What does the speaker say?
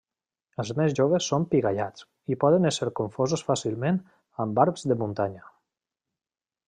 Els més joves són pigallats, i poden ésser confosos fàcilment amb barbs de muntanya.